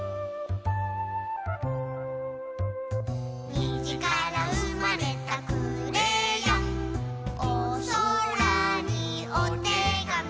「にじからうまれたくれよん」「おそらにおてがみ」